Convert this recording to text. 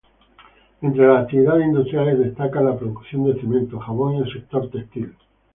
Entre las actividades industriales destacan la producción de cemento, jabón y el sector textil.